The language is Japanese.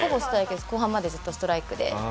後半までずっとストライクで。